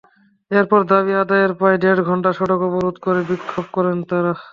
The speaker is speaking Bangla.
এরপর দাবি আদায়ে প্রায় দেড় ঘণ্টা সড়ক অবরোধ করে বিক্ষোভ করেন তাঁরা।